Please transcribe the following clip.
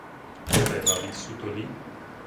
Chi aveva vissuto lì?